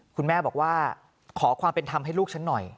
คุณแม่บอกว่าขอความเป็นธรรมให้ลูกฉันหน่อย